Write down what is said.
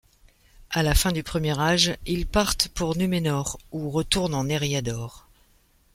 À la fin du Premier Âge, ils partent pour Númenor ou retournent en Eriador.